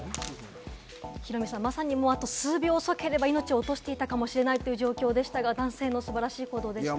ヒロミさん、まさに、もうあと数秒遅ければ命を落としていたかもしれないという状況でしたが、男性の素晴らしい行動でしたね。